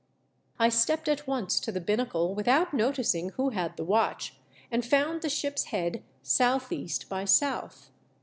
I stepped at once to the binnacle without noticing who had the watch and found the ship's head south east by south.